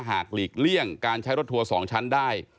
หลีกเลี่ยงการใช้รถทัวร์๒ชั้นได้